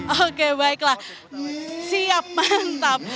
oke baiklah siap mantap